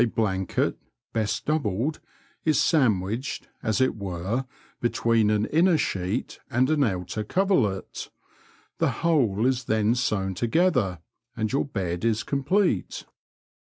Ill blanket (best doubled) is sandwiched, as it were, between an inner sheet and an outer corerlet ; the whole is then sewn together — and your bed is complete.